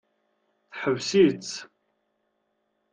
Teḥbes-itt.